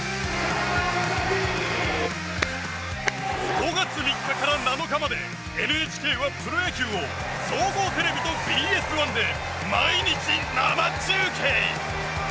５月３日から７日までＮＨＫはプロ野球を総合テレビとＢＳ１で毎日、生中継！